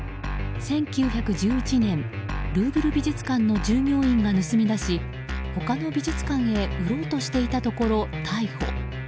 １９１１年、ルーブル美術館の従業員が盗み出し他の美術館へ売ろうとしていたところ、逮捕。